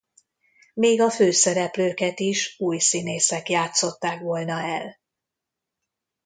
Még a főszereplőket is új színészek játszották volna el.